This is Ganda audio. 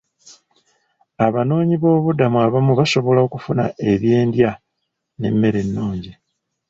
Abanoonyiboobubudamu abamu basobola okufuna ebyendya n'emmere ennungi.